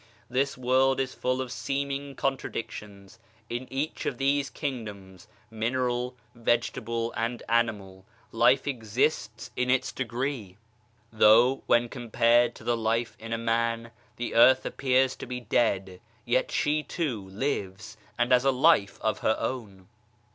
This world is full of seeming contradictions ; in each of these king doms (mineral, vegetable and animal) life exists in its degree ; though, when compared to the life in a man, the earth appears to be dead, yet she, too, lives and has a life of her own.